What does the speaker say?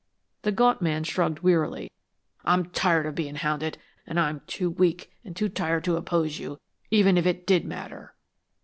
The gaunt man shrugged wearily. "I'm tired of being hounded, and I'm too weak and too tired to oppose you, even if it did matter."